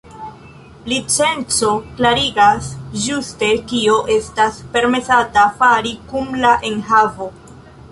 Licenco klarigas ĝuste kio estas permesata fari kun la enhavo.